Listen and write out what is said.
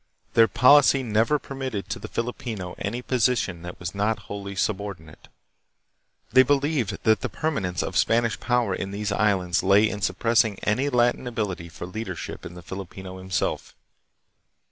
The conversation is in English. Their policy never permitted to the Filipino any position that was not wholly subordinate. They believed that the permanence of Spanish power in these islands lay in suppressing any latent ability for leadership in the Fili pino himself.